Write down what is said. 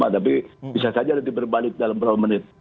tapi bisa saja nanti berbalik dalam berapa menit